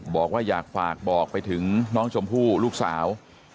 บอกว่าอยากฝากบอกไปถึงน้องชมพู่ลูกสาว